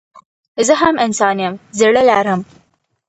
زه هم انسان يم زړه لرم